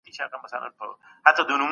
د ډوډۍ خوړلو وار اوس ستا دی.